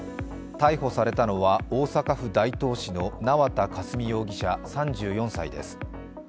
逮捕されたのは大阪府大東市の縄田佳純容疑者３４歳です。